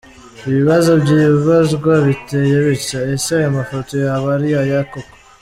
Ibibazo byibazwa biteye bitya : Ese aya mafoto yaba ari aye koko?